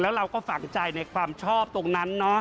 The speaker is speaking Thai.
แล้วเราก็ฝังใจในความชอบตรงนั้นเนอะ